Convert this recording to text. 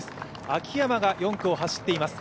秋山が４区を走っています。